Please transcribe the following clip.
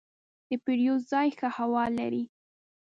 د پیرود ځای ښه هوا لري.